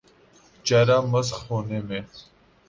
چہر ہ مسخ ہونے میں۔